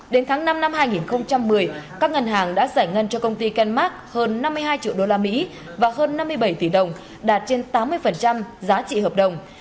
đến tháng năm năm hai nghìn một mươi các ngân hàng đã giải ngân cho công ty kenmak hơn năm mươi hai triệu usd và hơn năm mươi bảy tỷ đồng đạt trên tám mươi giá trị hợp đồng